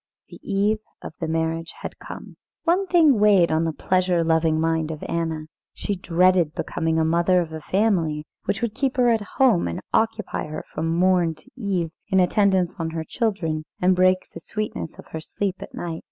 The eve of the marriage had come. One thing weighed on the pleasure loving mind of Anna. She dreaded becoming a mother of a family which would keep her at home, and occupy her from morn to eve in attendance on her children, and break the sweetness of her sleep at night.